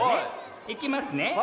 いきます！